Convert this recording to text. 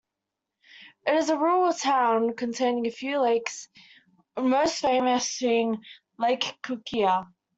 It is a rural town containing a few lakes, most famous being lake Kukkia.